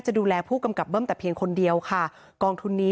ดูแลผู้กำกับเบิ้มแต่เพียงคนเดียวค่ะกองทุนนี้